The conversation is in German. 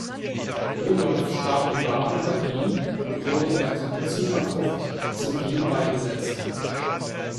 Rudolph starb in Baden bei Wien und wurde in der Kapuzinergruft zu Wien beigesetzt.